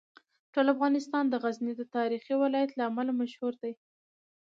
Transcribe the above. ټول افغانستان د غزني د تاریخي ولایت له امله مشهور دی.